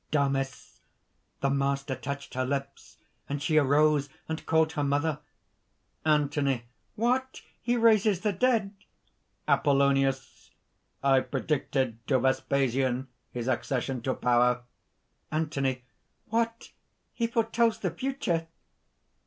DAMIS. "The Master touched her lips; and she arose and called her mother." ANTHONY. "What! he raises the dead!" APOLLONIUS. "I predicted to Vespasian his accession to power." ANTHONY. "What! he foretells the future!"